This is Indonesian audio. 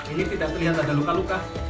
ini tidak terlihat ada luka luka